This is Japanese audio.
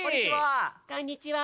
こんにちは！